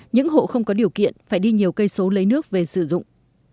những hộ không có điều kiện phải đi nhiều cây số lấy nước về sử dụng